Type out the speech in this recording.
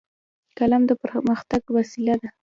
قلم د پرمختګ وسیله ده